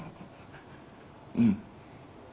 うん。